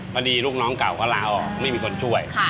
ลูกน้องเก่าก็ลาออกไม่มีคนช่วย